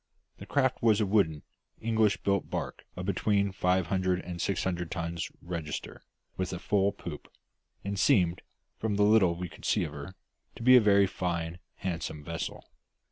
The craft was a wooden, English built barque of between five hundred and six hundred tons register, with a full poop; and seemed, from the little we could see of her, to be a very fine, handsome vessel.